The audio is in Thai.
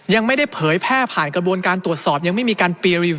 ยังไม่ได้เผยแพร่ผ่านกระบวนการตรวจสอบยังไม่มีการรีวิว